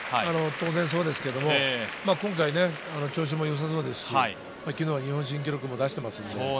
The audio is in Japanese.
当然そうですけれど今回、調子もよさそうですし、昨日は日本新記録も出しています。